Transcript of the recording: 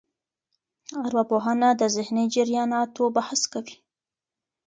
ارواپوهنه د ذهني جرياناتو بحث کوي.